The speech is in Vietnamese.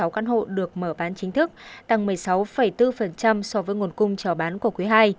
một tám mươi sáu căn hộ được mở bán chính thức tăng một mươi sáu bốn so với nguồn cung trò bán của quý hai